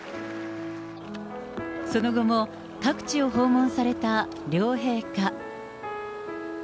その後も各地を訪問された両陛下。